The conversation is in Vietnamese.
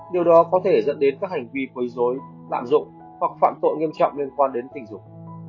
điều đó có thể dẫn đến các hành vi quấy dối lạm dụng hoặc phạm tội nghiêm trọng liên quan đến tình dục